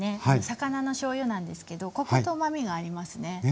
魚のしょうゆなんですけどコクとうまみがありますね。